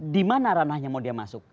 di mana ranahnya mau dia masuk